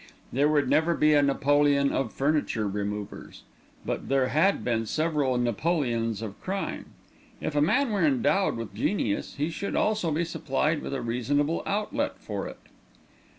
There would never be a Napoleon of furniture removers, but there had been several Napoleons of crime. If a man were endowed with genius, he should also be supplied with a reasonable outlet for it.